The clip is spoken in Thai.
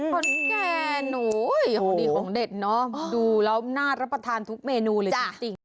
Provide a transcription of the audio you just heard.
ของดีของเด็ดเนาะดูแล้วนาดแล้วประทานทุกเมนูเลยจริง